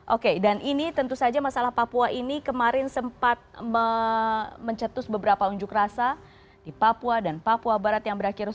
oke dan ini tentu saja masalah papua ini kemarin sempat mencetus beberapa unjuk rasa di papua dan papua barat yang berakhir